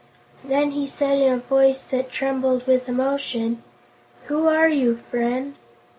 Then he said in a voice that trembled with emotion: "Who are you, friend?"